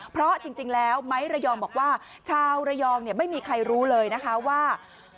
เพราะจริงแล้วไม้ระยองบอกว่าชาวระยองไม่มีใครรู้เลยนะคะว่า